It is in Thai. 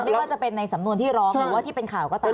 ไม่ว่าจะเป็นในสำนวนที่ร้องหรือว่าที่เป็นข่าวก็ตาม